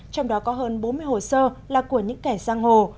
trong đó có hơn bốn mươi hồ sơ là của những kẻ giang hồ